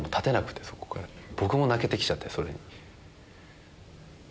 僕も泣けてきちゃってそれに。